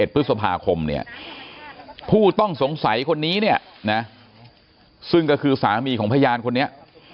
พฤษภาคมเนี่ยผู้ต้องสงสัยคนนี้เนี่ยนะซึ่งก็คือสามีของพยานคนนี้